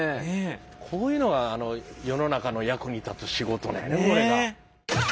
こういうのが世の中の役に立つ仕事なんやねこれが。